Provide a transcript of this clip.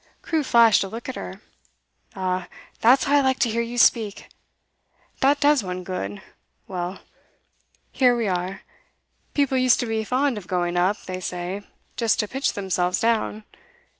Crewe flashed a look at her. 'Ah, that's how I like to hear you speak! That does one good. Well, here we are. People used to be fond of going up, they say, just to pitch themselves down.